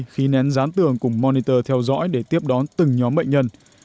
khí nén rán tường cùng monitor theo dõi để tiếp đón từng nhóm bệnh nhân